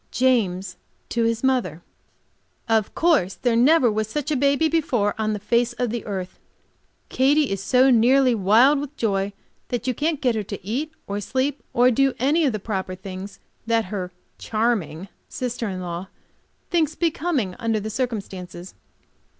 James to his mother: Of course there never was such a baby before on the face of the earth. Katy is so nearly wild with joy, that you can't get her to eat or sleep or do any of the proper things that her charming sister in law thinks becoming under the circumstances.